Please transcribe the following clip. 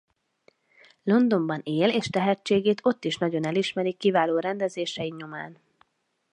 Londonban él és tehetségét ott is nagyon elismerik kiváló rendezései nyomán.